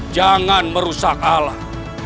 jangan merusak alam